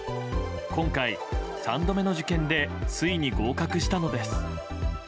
今回、３度目の受験でついに合格したのです。